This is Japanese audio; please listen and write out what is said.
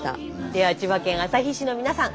では千葉県旭市の皆さん